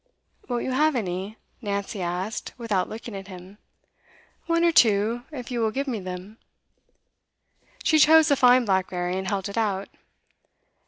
'Won't you have any?' Nancy asked, without looking at him. 'One or two, if you will give me them.' She chose a fine blackberry, and held it out.